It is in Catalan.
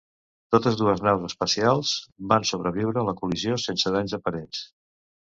Totes dues naus espacials van sobreviure la col·lisió sense danys aparents.